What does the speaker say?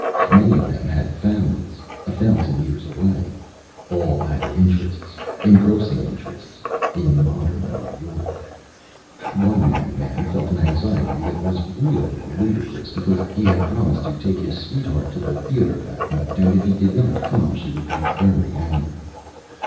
Many of them had families, a thousand years away. All had interests, engrossing interests, in modern New York. One young man felt an anxiety that was really ludicrous because he had promised to take his sweetheart to the theater that night, and if he did not come she would be very angry.